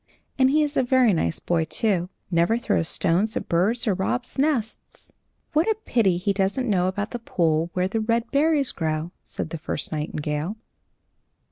And he is a very nice boy, too never throws stones at birds or robs nests." "What a pity he doesn't know about the pool where the red berries grow!" said the first nightingale.